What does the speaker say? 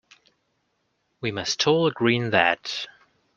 We must all agree in that.